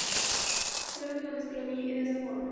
Fue la última vez que lo vi de esa forma".